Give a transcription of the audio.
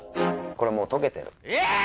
これもう解けてるええっ！